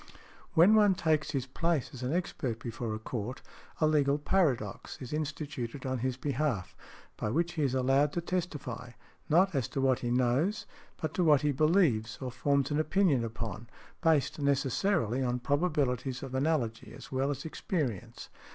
When one takes his place as an expert before a court, a legal paradox is instituted on his behalf, by which he is allowed to testify—not as to what he knows, but to what he believes or forms an opinion upon, based necessarily on probabilities of analogy as well as experience.